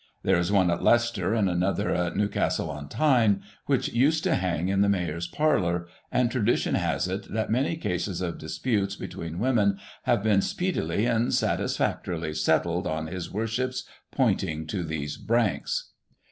There is one at Leicester, and another at New castle on Tyne, which used to hang in the mayor's parlour, and tradition has it that many cases of disputes between women have been speedily and satisfactorily settled on his worship's pointing to these branks.